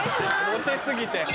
モテ過ぎて。